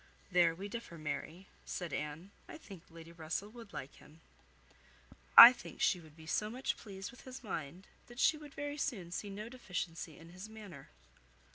"There we differ, Mary," said Anne. "I think Lady Russell would like him. I think she would be so much pleased with his mind, that she would very soon see no deficiency in his manner."